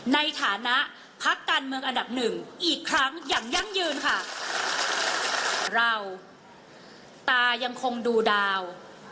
ในฐานะพักการเมืองอันดับหนึ่งอีกครั้งอย่างยั่งยืนค่ะเราตายังคงดูดาว